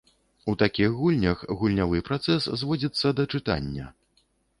У такіх гульнях гульнявы працэс зводзіцца да чытання.